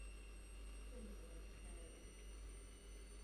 Quinn is a vegetarian.